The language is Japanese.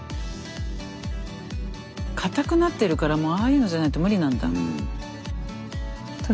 硬くなってるからもうああいうのじゃないと無理なんだ。